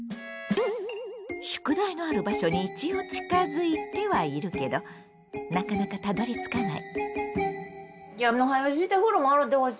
宿題のある場所に一応近づいてはいるけどなかなかたどりつかない。